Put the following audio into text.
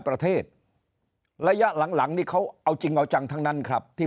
ประเทศระยะหลังหลังนี่เขาเอาจริงเอาจังทั้งนั้นครับที่